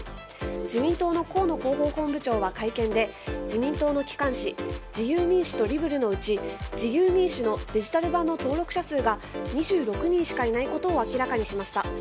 自民党の河野広報本部長は会見で自民党の機関紙「自由民主」と「りぶる」のうち「自由民主」のデジタル版の登録者数が２６人しかいないことを明らかにしました。